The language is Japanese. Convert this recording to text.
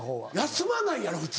休まないやろ普通。